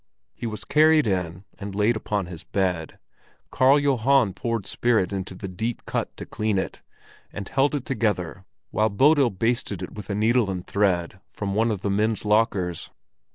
He was carried in and laid upon his bed, Karl Johan poured spirit into the deep cut to clean it, and held it together while Bodil basted it with needle and thread from one of the men's lockers.